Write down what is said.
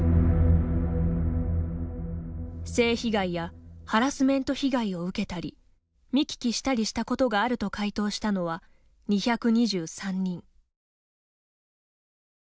性被害やハラスメント被害を受けたり見聞きしたりしたことがあると回答したのは、２２３人。